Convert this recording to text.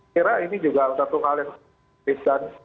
kira ini juga satu hal yang